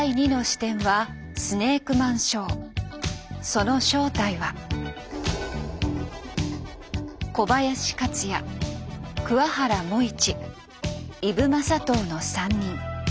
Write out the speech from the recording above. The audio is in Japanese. その正体は小林克也桑原茂一伊武雅刀の３人。